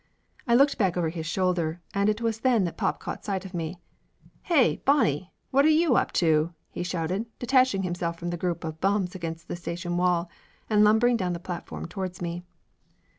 I looked back over his shoulder, and it was then that pop caught sight of me. "Hey, Bonnie ! What are you up to ?" he shouted, detaching himself from the group of bums against the station wall and lumbering down the platform towards me.